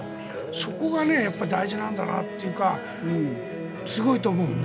そこが大事なんだなというかすごいと思うね。